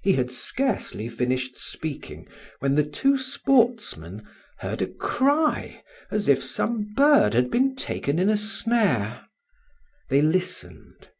He had scarcely finished speaking when the two sportsmen heard a cry as if some bird had been taken in a snare. They listened.